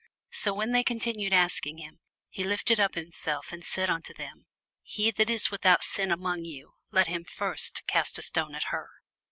So when they continued asking him, he lifted up himself, and said unto them, He that is without sin among you, let him first cast a stone at her.